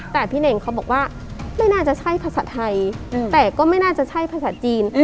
แต่พี่เน่งเขาบอกว่าไม่น่าจะใช่ภาษาไทยแต่ก็ไม่น่าจะใช่ภาษาจีน